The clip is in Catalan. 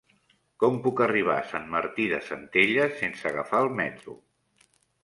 Com puc arribar a Sant Martí de Centelles sense agafar el metro?